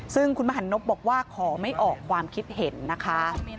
ซึ่งคุณมหันนบบอกว่าขอไม่ออกความคิดเห็นนะคะ